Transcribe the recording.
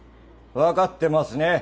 分かってますね？